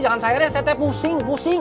jangan saya teh pusing pusing